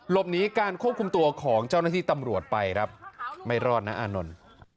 หลบหนีการควบคุมตัวของเจ้าหน้าที่ตำรวจไปครับไม่รอดนะอานนท์